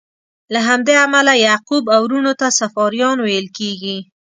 له همدې امله یعقوب او وروڼو ته صفاریان ویل کیږي.